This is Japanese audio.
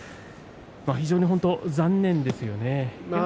非常に残念ですね。